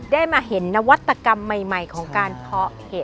ได้มาเห็นนวัตกรรมใหม่ของการเพาะเห็ด